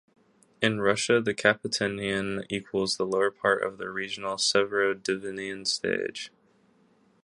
In Russia the Capitanian equals the lower part of the regional Severodvinian stage.